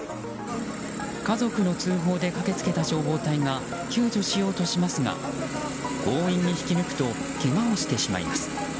家族の通報で駆け付けた消防隊が救助しようとしますが強引に引き抜くとけがをしてしまいます。